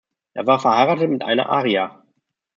Er war verheiratet mit einer Arria.